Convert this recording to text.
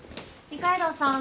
二階堂さん